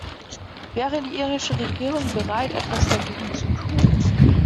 Wäre die irische Regierung bereit, etwas dagegen zu tun?